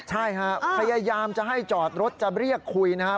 ใช่ฮะพยายามจะให้จอดรถจะเรียกคุยนะฮะ